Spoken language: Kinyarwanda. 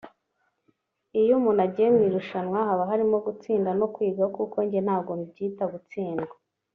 Iyo umuntu agiye mu irushanwa haba harimo gutsinda no kwiga kuko njye ntabwo mbyita gutsindwa